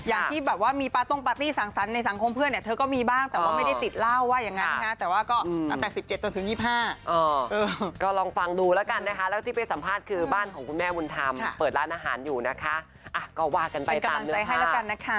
อย่างที่แบบว่ามีปาต้งปาร์ตี้สั่งสรรค์ในสังคมเพื่อนเนี่ยเธอก็มีบ้างแต่ว่าไม่ได้ติดเหล้าว่าอย่างนั้นนะแต่ว่าก็ตั้งแต่๑๗จนถึง๒๕ก็ลองฟังดูแล้วกันนะคะแล้วที่ไปสัมภาษณ์คือบ้านของคุณแม่บุญธรรมเปิดร้านอาหารอยู่นะคะก็ว่ากันไปเป็นกำลังใจให้แล้วกันนะคะ